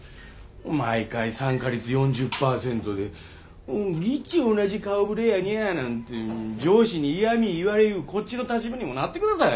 毎回参加率４０％で「ぎっち同じ顔ぶれやにゃあ」なんて上司に嫌み言われゆうこっちの立場にもなってください。